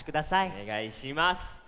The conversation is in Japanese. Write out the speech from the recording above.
おねがいします。